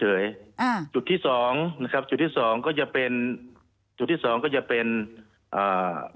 อ่าจุดที่สองนะครับจุดที่สองก็จะเป็นจุดที่สองก็จะเป็นอ่า